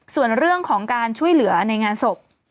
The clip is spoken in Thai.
ส่วนเรื่องของการช่วยเหลือในงานศพ